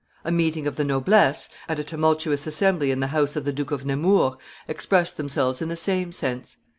A meeting of the noblesse, at a tumultuous assembly in the house of the Duke of Nemours, expressed themselves in the same sense.